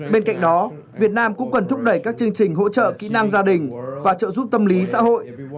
bên cạnh đó việt nam cũng cần thúc đẩy các chương trình hỗ trợ kỹ năng gia đình và trợ giúp tâm lý xã hội